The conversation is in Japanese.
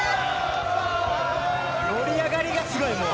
盛り上がりがすごい、もう。